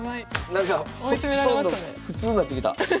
なんかほとんど普通になってきた。